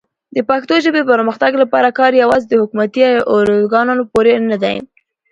د پښتو ژبې پرمختګ لپاره کار یوازې د حکومتي ارګانونو پورې نه دی.